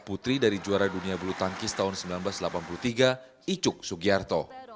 putri dari juara dunia bulu tangkis tahun seribu sembilan ratus delapan puluh tiga icuk sugiarto